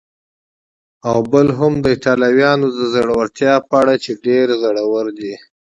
او بل هم د ایټالویانو د زړورتیا په اړه چې ډېر زړور دي.